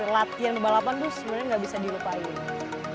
latihan ke balapan tuh sebenernya gak bisa dilupain